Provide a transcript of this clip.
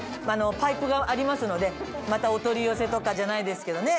パイプがありますのでまたお取り寄せとかじゃないですけどね。